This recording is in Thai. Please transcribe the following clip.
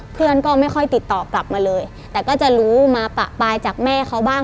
เพื่อนก็ไม่ค่อยติดต่อกลับมาเลยแต่ก็จะรู้มาปะปลายจากแม่เขาบ้าง